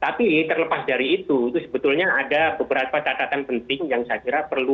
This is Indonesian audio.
tapi terlepas dari itu itu sebetulnya ada beberapa catatan penting yang saya kira perlu